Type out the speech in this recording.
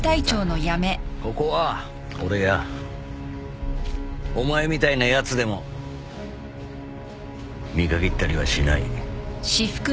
ここは俺やお前みたいなやつでも見限ったりはしない。